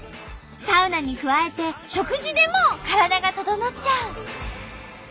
サウナに加えて食事でも体がととのっちゃう！